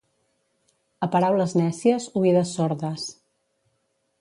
A paraules nècies oïdes sordes